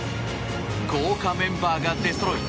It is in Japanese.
豪華メンバーが出そろい